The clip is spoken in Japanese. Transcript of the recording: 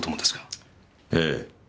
ええ。